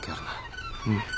うん。